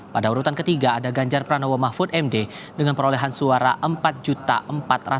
pada urutan ketiga ada ganjar pranowo mahfud md dengan perolehan suara empat empat ratus tiga puluh empat delapan ratus lima suara